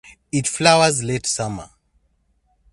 It flowers late summer.